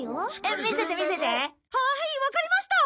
わかりました！